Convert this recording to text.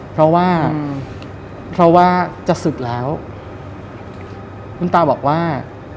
เพราะว่าเพราะว่าจะศึกแล้วคุณตาบอกว่า